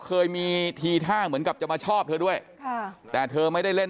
เคยมีทีท่าเหมือนกับจะมาชอบเธอด้วยค่ะแต่เธอไม่ได้เล่น